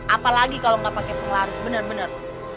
apalagi kalau nggak pake penglaris bener bener